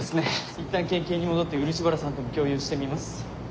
いったん県警に戻って漆原さんとも共有してみます。